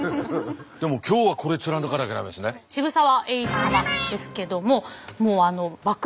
でも今日はこれ貫かなきゃ駄目ですね。